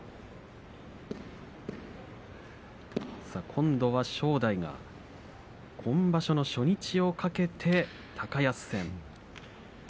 今度は正代が今場所の初白星初日を懸けて高安戦です。